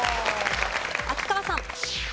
秋川さん。